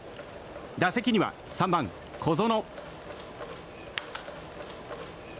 打席には３番、小園。